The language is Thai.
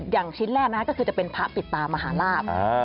อย่างชิ้นแรกก็คือจะเป็นพระปิดตามหาลาบ